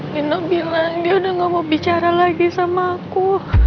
nino bilang dia udah gak mau bicara lagi sama aku